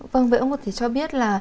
vâng vậy ông ạ thì cho biết là